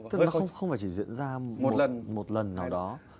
tức là nó không chỉ diễn ra một lần nào đó